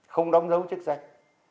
không đóng dấu chức danh